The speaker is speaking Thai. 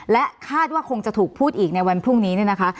และคาดว่าคงจะถูกพูดอีกในวันพรุ่งนี้เนี่ยนะคะ